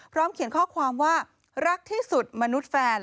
เขียนข้อความว่ารักที่สุดมนุษย์แฟน